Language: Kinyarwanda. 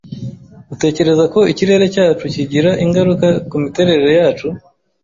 Utekereza ko ikirere cyacu kigira ingaruka kumiterere yacu?